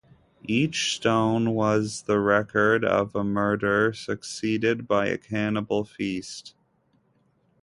Each stone was the record of a murder succeeded by a cannibal feast.